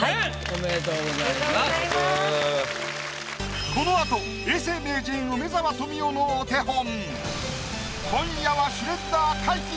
このあと永世名人梅沢富美男のお手本。